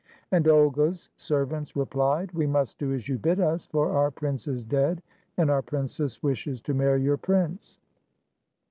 And Olga's servants replied, "We must do as you bid us, for our prince is dead, and our princess wishes to marry your prince."